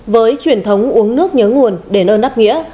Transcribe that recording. với truyền thống uống nước nhớ nguồn để lơn nắp nghĩa